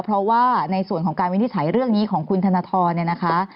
เพราะว่าในส่วนของการวินิจฉัยเรื่องนี้ของคุณธนทรเนี่ยนะคะ